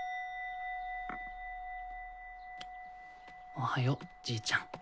おはようじいちゃん。